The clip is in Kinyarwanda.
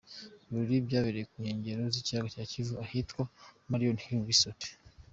Ibirori byabereye ku nkengero z’ikiyaga cya Kivu ahitwa Moriah Hill Resort.